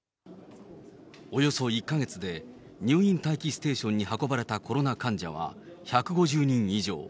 およそ１か月で入院待機ステーションに運ばれたコロナ患者は、１５０人以上。